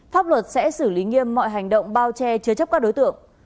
pháp luật sẽ xử lý nghiêm mọi hành động bao che chứa chấp các đối tượng